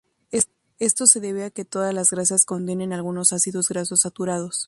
Esto se debe a que todas las grasas contienen algunos ácidos grasos saturados.